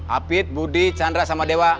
apit budi chandra sama dewa